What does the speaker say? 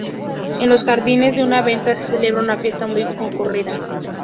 En los jardines de una venta, se celebra una fiesta muy concurrida.